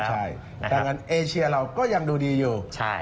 ใช่ดังนั้นเอเชียเราก็ยังดูดีอยู่